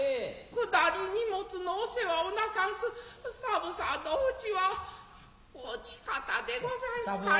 下り荷物の御世話をなさんす三婦さんのお内はこち方でござんすかえ。